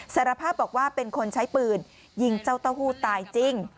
สารภาพบอกว่าเป็นคนใช้ปืนยิงเจ้าเต้าหู้ตายจริง